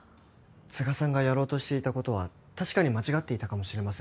都賀さんがやろうとしていたことは確かに間違っていたかもしれません。